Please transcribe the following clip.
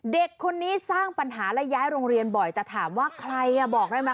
เด็กคนนี้สร้างปัญหาและย้ายโรงเรียนบ่อยแต่ถามว่าใครบอกได้ไหม